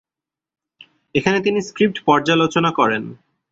এখানে তিনি স্ক্রিপ্ট পর্যালোচনা করেন।